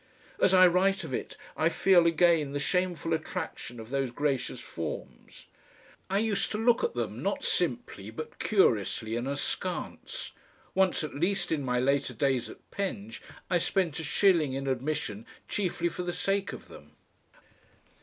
As I write of it I feel again the shameful attraction of those gracious forms. I used to look at them not simply, but curiously and askance. Once at least in my later days at Penge, I spent a shilling in admission chiefly for the sake of them....